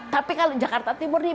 tapi kalau jakarta tiburni